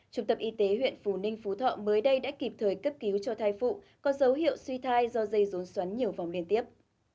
trung tâm y tế huyện phù ninh phú thọ mới đây đã kịp thời cấp cứu cho thai phụ có dấu hiệu suy thai do dây rốn xoắn nhiều vòng liên tiếp